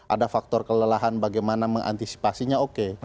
ada faktor kelelahan bagaimana mengantisipasinya oke